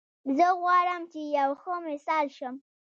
زه غواړم چې یو ښه مثال شم